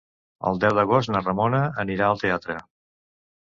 El deu d'agost na Ramona anirà al teatre.